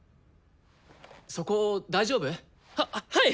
そこ大丈夫？ははい！